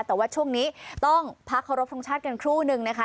แต่ว่าช่วงนี้ต้องพักเคารพทรงชาติกันครู่นึงนะคะ